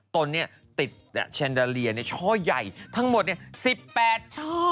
ต้นนี้ติดแชนเดอเรียช่อใหญ่ทั้งหมด๑๘ช่อ